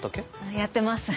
やってます